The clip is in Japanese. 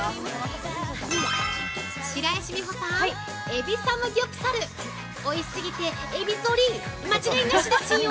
白石美帆さん、エビサムギョプサルおいしすぎてエビ反り間違いなしですよ。